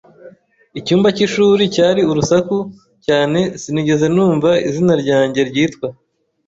Icyumba cy'ishuri cyari urusaku cyane sinigeze numva izina ryanjye ryitwa.